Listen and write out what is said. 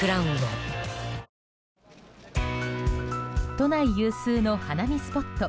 都内有数の花見スポット